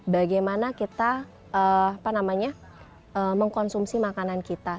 bagaimana kita mengkonsumsi makanan kita